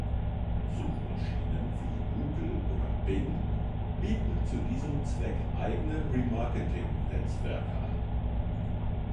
Suchmaschinen wie Google oder Bing bieten zu diesem Zweck eigene Remarketing-Netzwerke an.